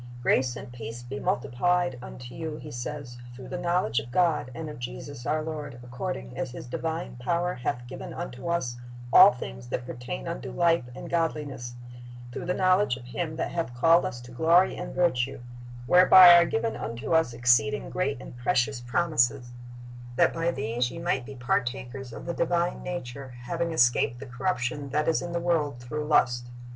"Grace and peace be multiplied unto you," he says, "through the knowledge of God, and of Jesus our Lord, according as His divine power hath given unto us all things that pertain unto life and godliness, through the knowledge of Him that hath called us to glory and virtue: whereby are given unto us exceeding great and precious promises; that ' Heb. 4 : 7 282 Christ's Object Lessons by these ye might be partakers of the divine nature, having escaped the corruption that is in the world through lust.